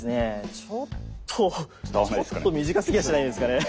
ちょっとちょっと短すぎやしないですかね？